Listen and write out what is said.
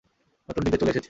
নতুন ডিজে চলে এসেছে।